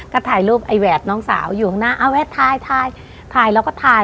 ก็ถ่ายรูปไอ้แหวดน้องสาวอยู่ข้างหน้าเอาแวะถ่ายถ่ายแล้วก็ถ่าย